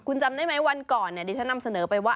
คุณจำได้ไหมวันก่อนดิฉันนำเสนอไปว่า